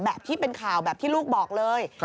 ที่เป็นข่าวแบบที่ลูกบอกเลย